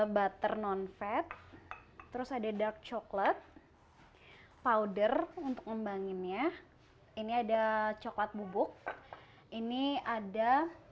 butter non fat terus ada dark coklat powder untuk ngembanginnya ini ada coklat bubuk ini ada